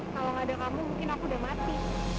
kalau tidak kamu mungkin aku sudah mati